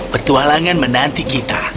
pertualangan menanti kita